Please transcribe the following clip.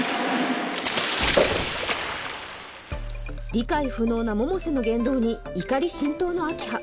理解不能な百瀬の言動に怒り心頭の明葉